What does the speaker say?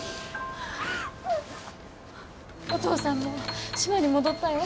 お父さんも島に戻ったよ。